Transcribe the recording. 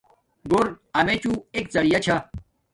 گھور امچوں ایک زیعہ چھا